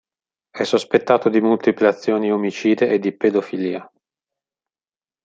È sospettato di multiple azioni omicide e di pedofilia.